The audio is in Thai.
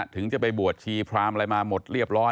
ถึงจะไปบวชชีพรามอะไรมาหมดเรียบร้อย